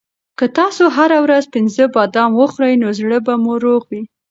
که تاسو هره ورځ پنځه بادام وخورئ نو زړه به مو روغ وي.